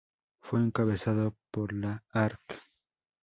Fue encabezada por la Arq.